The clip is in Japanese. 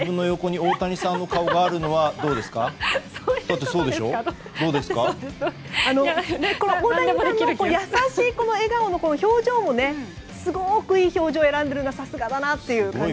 大谷さんの優しい笑顔の表情もすごくいい表情を選んでいるのはさすがだなという感じですね。